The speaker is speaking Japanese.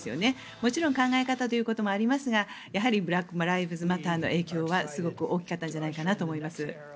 もちろん考え方ということもありますがブラック・ライブズ・マターの影響はすごく大きかったんじゃないかと思います。